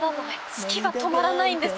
好きが止まらないんです。